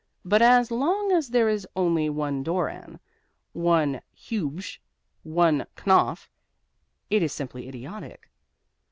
But as long as there is only one Doran, one Huebsch, one Knopf, it is simply idiotic.